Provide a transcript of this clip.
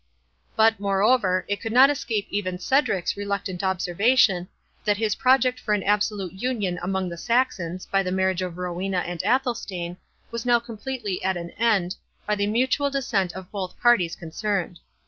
But, moreover, it could not escape even Cedric's reluctant observation, that his project for an absolute union among the Saxons, by the marriage of Rowena and Athelstane, was now completely at an end, by the mutual dissent of both parties concerned.